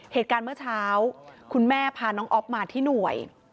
เหตุการณ์เมื่อเช้าคุณแม่พาน้องอ๊อฟมาที่หน่วย